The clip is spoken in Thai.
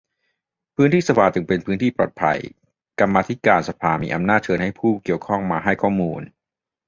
พื้นที่สภาจึงเป็นพื้นที่ปลอดภัย กรรมาธิการสภามีอำนาจเชิญให้ผู้เกี่ยวข้องมาให้ข้อมูล